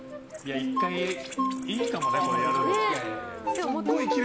１回いいかもね、これやるの。